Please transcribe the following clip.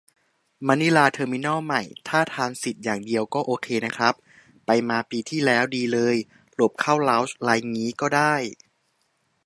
มะนิลาเทอร์มินอลใหม่ ถ้าทรานสิตอย่างเดียวก็โอเคนะครับ ไปมาปีที่แล้ว ดีเลย หลบเข้าเลาจน์ไรงี้ก็ได้